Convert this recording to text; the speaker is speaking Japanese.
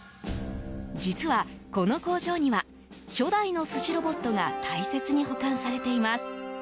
実は、この工場には初代の寿司ロボットが大切に保管されています。